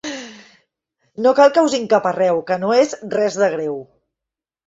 No cal que us hi encaparreu, que no és res de greu!